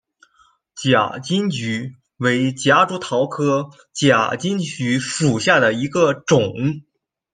假金桔为夹竹桃科假金桔属下的一个种。